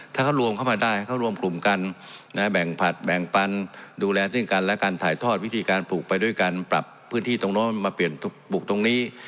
ถ้าเขารวมเข้ามาได้เขารวมกลุ่มกันแบ่งผัดแบ่งปันดูแลซึ่งกันและการถ่ายทอดวิธีการปลูกไปด้วยการปรับพื้นที่ตรงนู้นมาเปลี่ยนปลูกตรงนี้